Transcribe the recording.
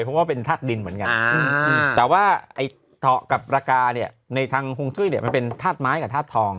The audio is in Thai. เพราะว่าเป็นธาตุดินเหมือนกันแต่ว่าไอ้กับรากาเนี่ยในทางฮวงจุ้ยเนี่ยมันเป็นธาตุไม้กับธาตุทอง